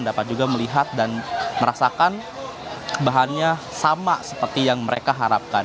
dapat juga melihat dan merasakan bahannya sama seperti yang mereka harapkan